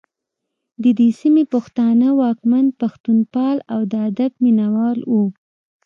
د دې سیمې پښتانه واکمن پښتوپال او د ادب مینه وال وو